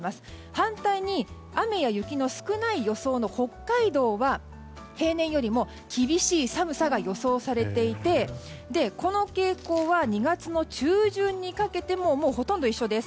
反対に、雨や雪の少ない予想の北海道は平年よりも厳しい寒さが予想されていてこの傾向は２月の中旬にかけてもほとんど一緒です。